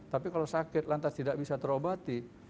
tapi kalau sakit lantas tidak bisa terobati